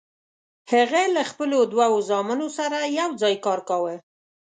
هغه له خپلو دوو زامنو سره یوځای کار کاوه.